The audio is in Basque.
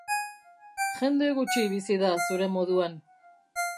Jende gutxi bizi da zure moduan.